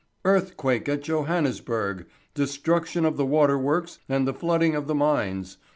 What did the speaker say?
"Earthquake at Johannesburg! Destruction of the Water Works and the Flooding of the Mines.